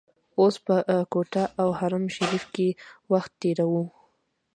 اوس په کوټه او حرم شریف کې وخت تیروو.